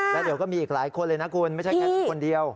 แล้วเดี๋ยวก็มีอีกหลายคนเลยนะคุณไม่ใช่แค่คนเดียว